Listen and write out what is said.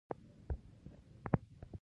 د ویالي کټېر د اوبو ظرفیت لوړوي.